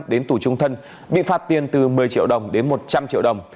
đến tù trung thân bị phạt tiền từ một mươi triệu đồng đến một trăm linh triệu đồng